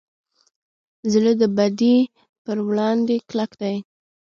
زړه د بدۍ پر وړاندې کلک دی.